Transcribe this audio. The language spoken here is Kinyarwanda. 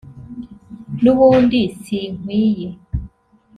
n’ubundi sinkwiye